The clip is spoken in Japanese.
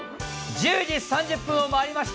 １０時３０分を回りました。